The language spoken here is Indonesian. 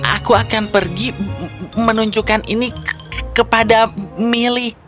aku akan pergi menunjukkan ini ke ke kepada milly